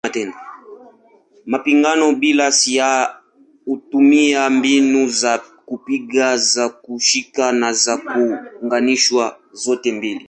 Mapigano bila silaha hutumia mbinu za kupiga, za kushika na za kuunganisha zote mbili.